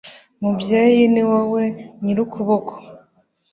mubyeyi, ni wowe nyir'ukuboko